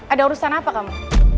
ada urusan apa kamu